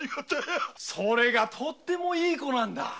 それがとてもいい娘なんだ。